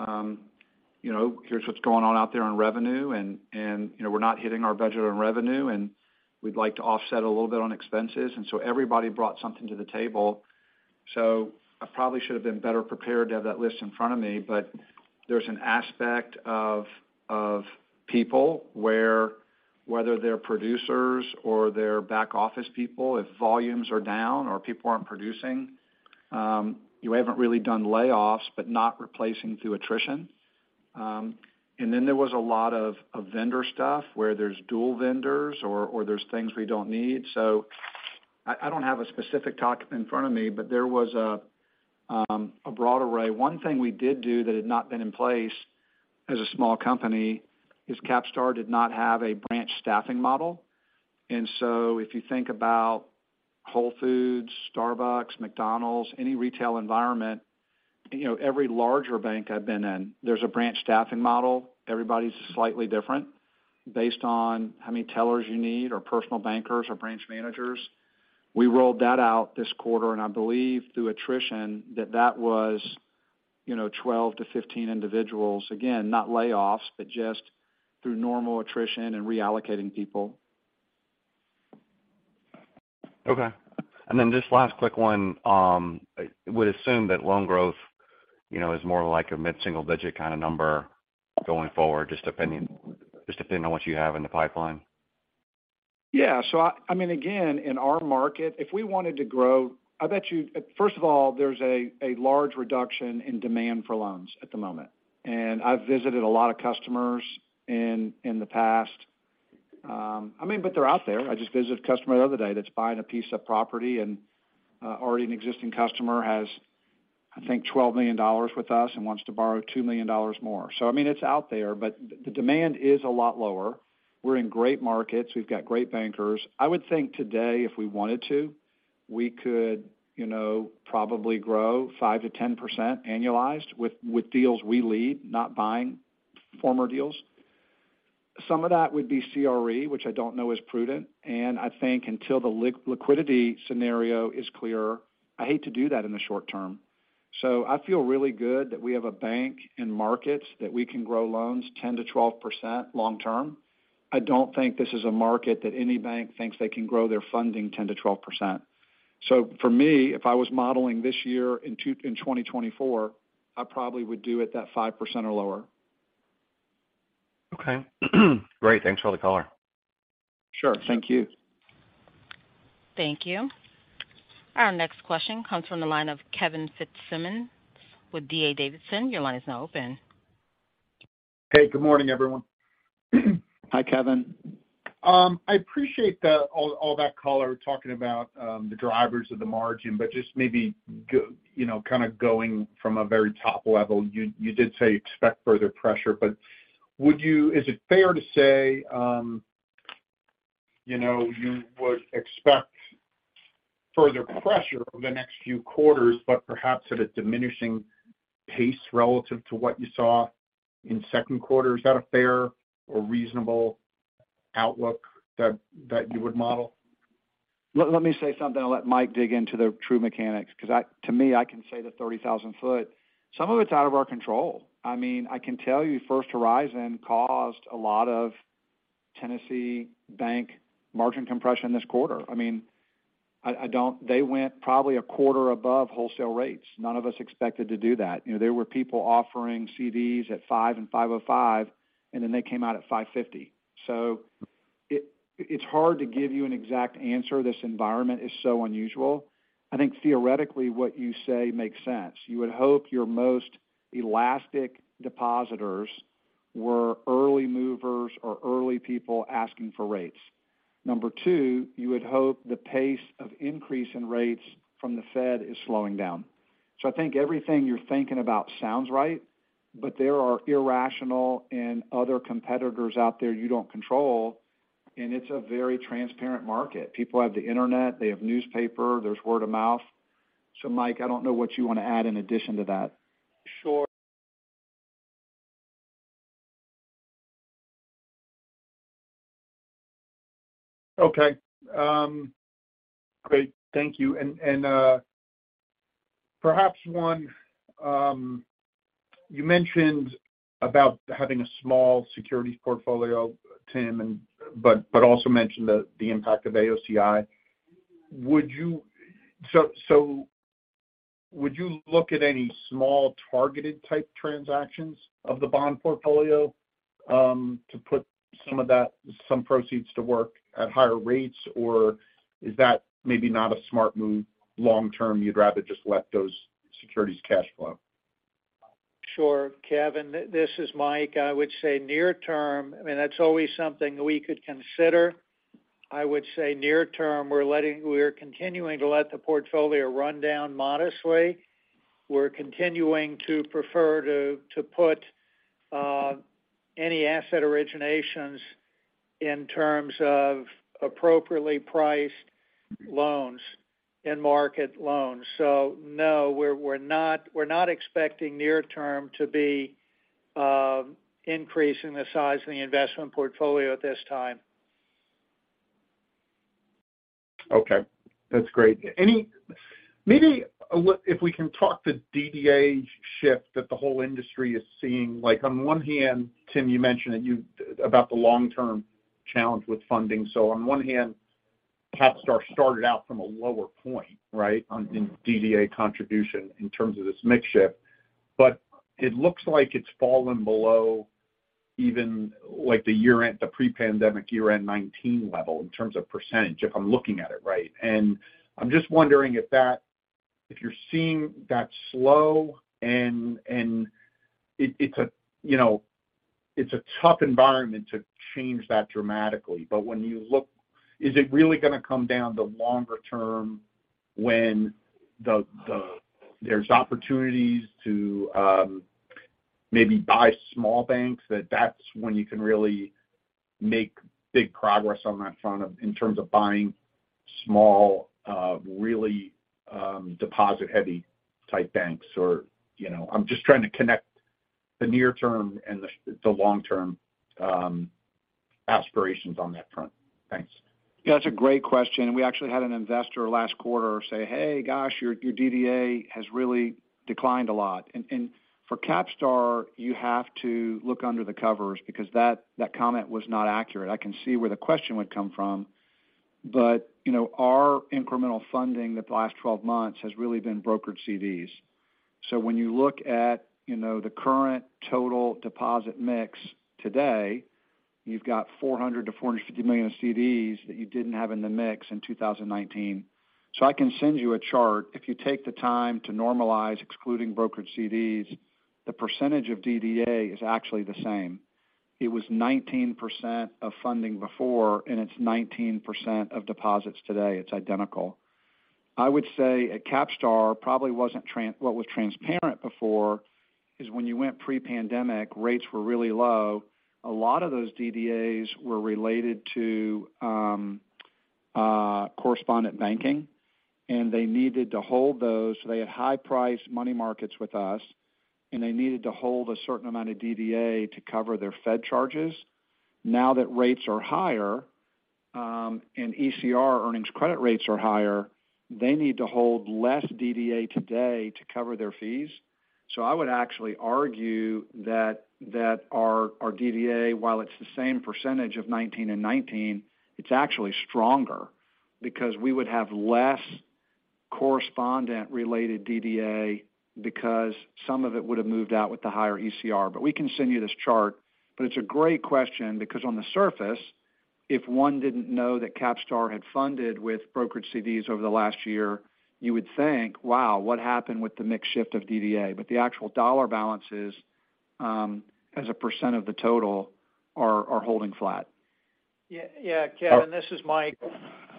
you know, here's what's going on out there in revenue, and, you know, we're not hitting our budget on revenue, and we'd like to offset a little bit on expenses." Everybody brought something to the table. I probably should have been better prepared to have that list in front of me, but there's an aspect of people where, whether they're producers or they're back office people, if volumes are down or people aren't producing, you haven't really done layoffs, but not replacing through attrition. There was a lot of vendor stuff where there's dual vendors or there's things we don't need. I don't have a specific talk in front of me, but there was a broad array. One thing we did do that had not been in place as a small company is CapStar did not have a branch staffing model. If you think about Whole Foods, Starbucks, McDonald's, any retail environment, you know, every larger bank I've been in, there's a branch staffing model. Everybody's slightly different based on how many tellers you need, or personal bankers, or branch managers. We rolled that out this quarter, and I believe, through attrition, that that was, you know, 12-15 individuals. Again, not layoffs, but just through normal attrition and reallocating people. Okay. Just last quick one, I would assume that loan growth, you know, is more like a mid-single digit kind of number going forward, just depending on what you have in the pipeline. Yeah, I mean, again, in our market, if we wanted to grow, I bet you first of all, there's a large reduction in demand for loans at the moment. I've visited a lot of customers in the past. I mean, they're out there. I just visited a customer the other day that's buying a piece of property and already an existing customer has, I think, $12 million with us and wants to borrow $2 million more. I mean, it's out there, the demand is a lot lower. We're in great markets. We've got great bankers. I would think today, if we wanted to, we could, you know, probably grow 5%-10% annualized with deals we lead, not buying former deals. Some of that would be CRE, which I don't know is prudent. I think until the liquidity scenario is clear, I hate to do that in the short term. I feel really good that we have a bank in markets that we can grow loans 10%-12% long term. I don't think this is a market that any bank thinks they can grow their funding 10%-12%. For me, if I was modeling this year in 2024, I probably would do it that 5% or lower. Okay. Great. Thanks for the caller. Sure. Thank you. Thank you. Our next question comes from the line of Kevin Fitzsimmons with D.A. Davidson. Your line is now open. Hey, good morning, everyone. Hi, Kevin. I appreciate the all that caller talking about the drivers of the margin, just maybe, you know, kind of going from a very top level. You did say you expect further pressure, is it fair to say, you know, you would expect further pressure over the next few quarters, but perhaps at a diminishing pace relative to what you saw in second quarter? Is that a fair or reasonable outlook that you would model? Let me say something, I'll let Mike dig into the true mechanics, because to me, I can say the 30,000-foot, some of it's out of our control. I mean, I can tell you, First Horizon caused a lot of Tennessee bank margin compression this quarter. I mean, I don't they went probably a quarter above wholesale rates. None of us expected to do that. You know, there were people offering CDs at 5% and 5.05%, and then they came out at 5.50%. It's hard to give you an exact answer. This environment is so unusual. I think theoretically, what you say makes sense. You would hope your most elastic depositors were early movers or early people asking for rates. Number two, you would hope the pace of increase in rates from the Fed is slowing down. I think everything you're thinking about sounds right, but there are irrational and other competitors out there you don't control, and it's a very transparent market. People have the internet, they have newspaper, there's word of mouth. Mike, I don't know what you want to add in addition to that. Sure. Okay. Great. Thank you. Perhaps one, you mentioned about having a small securities portfolio, Tim, and but also mentioned the impact of AOCI. Would you look at any small targeted type transactions of the bond portfolio, to put some of that, some proceeds to work at higher rates? Or is that maybe not a smart move long term, you'd rather just let those securities cash flow? Sure, Kevin, this is Mike. I would say near term, I mean, that's always something we could consider. I would say near term, we're continuing to let the portfolio run down modestly. We're continuing to prefer to put any asset originations in terms of appropriately priced loans and market loans. No, we're not expecting near term to be increasing the size of the investment portfolio at this time. Okay, that's great. Maybe if we can talk the DDA shift that the whole industry is seeing, like, on one hand, Tim, you mentioned that you about the long-term challenge with funding. On one hand, CapStar started out from a lower point, right, on in DDA contribution in terms of this mix shift. It looks like it's fallen below even, like, the year-end, the pre-pandemic year-end 2019 level in terms of %, if I'm looking at it right. I'm just wondering if that, if you're seeing that slow and it's a, you know, it's a tough environment to change that dramatically. When you look, is it really going to come down to longer term when the there's opportunities to maybe buy small banks, that that's when you can really make big progress on that front of, in terms of buying small, really, deposit-heavy type banks or, you know? I'm just trying to connect the near term and the long-term aspirations on that front. Thanks. Yeah, that's a great question. We actually had an investor last quarter say: "Hey, gosh, your DDA has really declined a lot." For CapStar, you have to look under the covers because that comment was not accurate. I can see where the question would come from, you know, our incremental funding that the last 12 months has really been brokered CDs. When you look at, you know, the current total deposit mix today, you've got $400-$450 million of CDs that you didn't have in the mix in 2019. I can send you a chart. If you take the time to normalize, excluding brokered CDs, the percentage of DDA is actually the same. It was 19% of funding before, it's 19% of deposits today. It's identical. I would say at CapStar, probably wasn't what was transparent before, is when you went pre-pandemic, rates were really low. A lot of those DDAs were related to correspondent banking, and they needed to hold those. They had high-priced money markets with us, and they needed to hold a certain amount of DDA to cover their Fed charges. Now that rates are higher, and ECR earnings credit rates are higher, they need to hold less DDA today to cover their fees. I would actually argue that our DDA, while it's the same percentage of 19 and 19, it's actually stronger because we would have less correspondent-related DDA because some of it would have moved out with the higher ECR. We can send you this chart. It's a great question, because on the surface, if one didn't know that CapStar had funded with brokerage CDs over the last year, you would think: Wow, what happened with the mix shift of DDA? The actual dollar balances, as a % of the total, are holding flat. Yeah. Yeah, Kevin, this is Mike.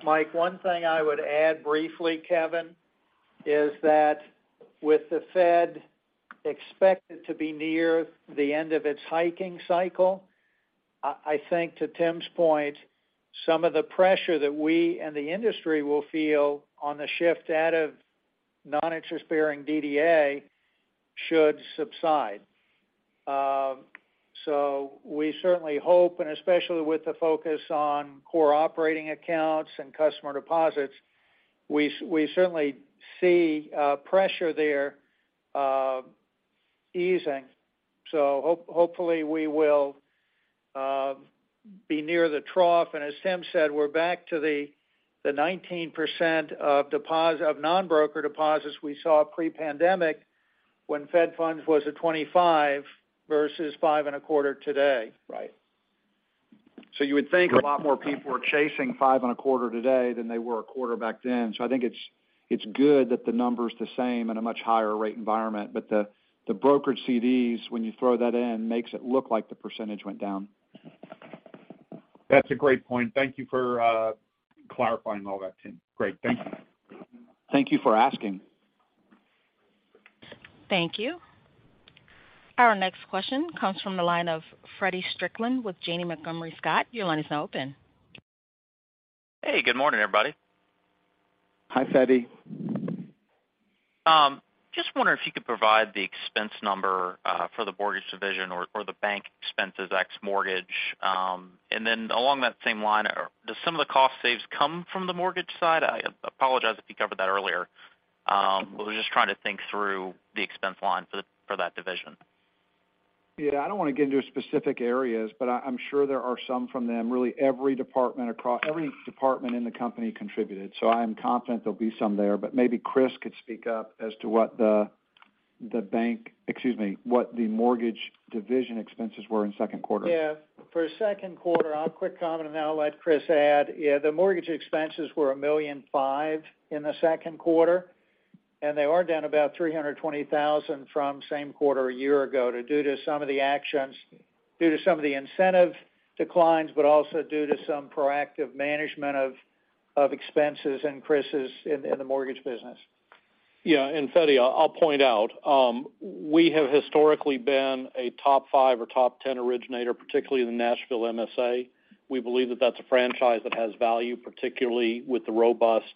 Mike, one thing I would add briefly, Kevin, is that with the Fed expected to be near the end of its hiking cycle, I think to Tim's point, some of the pressure that we and the industry will feel on the shift out of non-interest-bearing DDA should subside. We certainly hope, and especially with the focus on core operating accounts and customer deposits, we certainly see pressure there easing. Hopefully we will be near the trough. As Tim said, we're back to the 19% of non-broker deposits we saw pre-pandemic, when Fed funds was at 25 versus 5.25 today. Right. You would think a lot more people are chasing 5.25 today than they were a quarter back then. I think it's good that the number's the same in a much higher rate environment. The brokerage CDs, when you throw that in, makes it look like the percentage went down. That's a great point. Thank you for clarifying all that, Tim. Great. Thanks. Thank you for asking. Thank you. Our next question comes from the line of Feddie Strickland with Janney Montgomery Scott. Your line is now open. Hey, good morning, everybody. Hi, Feddie. Just wondering if you could provide the expense number for the mortgage division or the bank expenses X mortgage. Along that same line, does some of the cost saves come from the mortgage side? I apologize if you covered that earlier. We're just trying to think through the expense line for that division. I don't want to get into specific areas, but I'm sure there are some from them. Every department in the company contributed, so I'm confident there'll be some there. Maybe Chris could speak up as to what the bank. Excuse me, what the mortgage division expenses were in second quarter. Yeah. For the second quarter, I'll quick comment, and then I'll let Chris add. Yeah, the mortgage expenses were $1.5 million in the second quarter, and they are down about $320,000 from same quarter a year ago, due to some of the actions, due to some of the incentive declines, but also due to some proactive management of expenses and Chris's in the mortgage business. Yeah, Feddie, I'll point out, we have historically been a top five or top 10 originator, particularly in the Nashville MSA. We believe that that's a franchise that has value, particularly with the robust,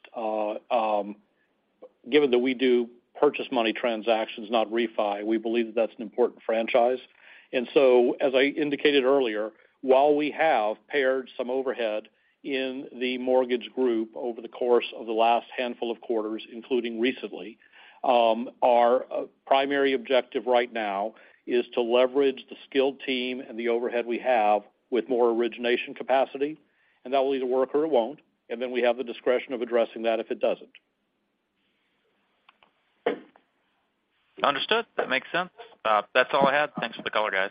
given that we do purchase money transactions, not refi, we believe that that's an important franchise. As I indicated earlier, while we have pared some overhead in the mortgage group over the course of the last handful of quarters, including recently, our primary objective right now is to leverage the skilled team and the overhead we have with more origination capacity, and that will either work or it won't, then we have the discretion of addressing that if it doesn't. Understood. That makes sense. That's all I had. Thanks for the call, guys.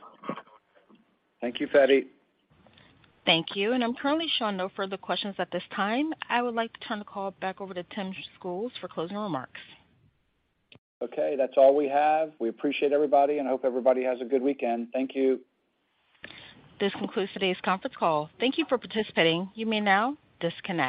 Thank you, Feddie. Thank you. I'm currently showing no further questions at this time. I would like to turn the call back over to Tim Schools for closing remarks. Okay, that's all we have. We appreciate everybody and hope everybody has a good weekend. Thank you. This concludes today's conference call. Thank you for participating. You may now disconnect.